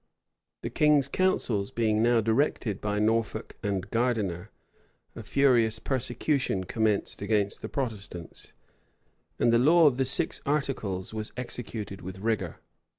The king's councils being now directed by Norfolk and Gardiner, a furious persecution commenced against the Protestants; and the law of the six articles was executed with rigor.